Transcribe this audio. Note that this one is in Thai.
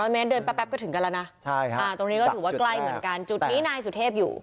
เมตรเดินแป๊บก็ถึงกันแล้วนะตรงนี้ก็ถือว่าใกล้เหมือนกันจุดนี้นายสุเทพอยู่